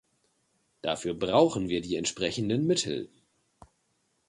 Dafür brauchen wir die entsprechenden Mittel.